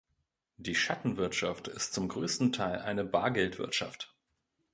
Die Schattenwirtschaft ist zum größten Teil eine Bargeldwirtschaft.